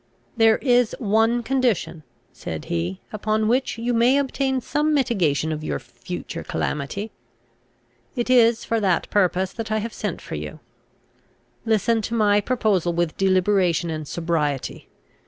"There is one condition," said he, "upon which you may obtain some mitigation of your future calamity. It is for that purpose that I have sent for you. Listen to my proposal with deliberation and sobriety.